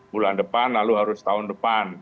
bulan depan lalu harus tahun depan